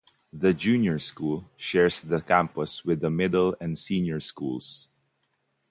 The Junior School, shares the campus with the Middle and Senior schools.